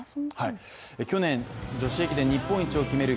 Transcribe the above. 去年、女子駅伝日本一を決める